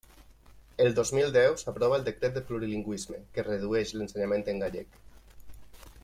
El dos mil deu s'aprova el Decret de plurilingüisme, que redueix l'ensenyament en gallec.